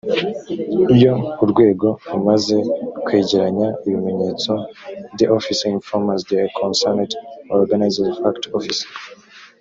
iyo urwego rumaze kwegeranya ibimenyetso the office informs the concerned organs of acts l office